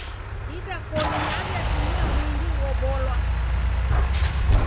Idakoni naw'iatumia mwindi ghobolwa.